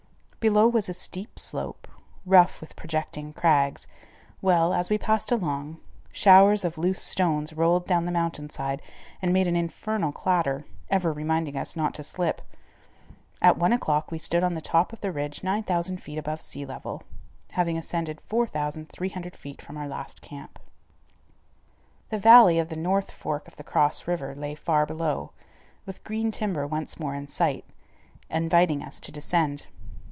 Below us was a steep slope, rough with projecting crags, while, as we passed along, showers of loose stones rolled down the mountain side and made an infernal clatter, ever reminding us not to slip. At one o'clock we stood on the top of the ridge 9000 feet above sea level, having ascended 4300 feet from our last camp. The valley of the north fork of the Cross River lay far below, with green timber once more in sight, inviting us to descend.